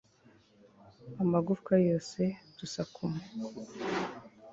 Amagufwa yose dusakuma